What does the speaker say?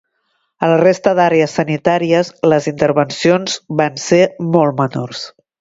A la resta d’àrees sanitàries les intervencions van ser molt menors.